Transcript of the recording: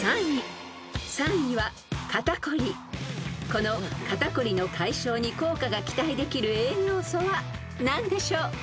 ［この肩こりの解消に効果が期待できる栄養素は何でしょう？］